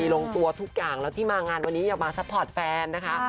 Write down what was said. ลงตัวทุกอย่างแล้วที่มางานวันนี้อย่ามาซัพพอร์ตแฟนนะคะ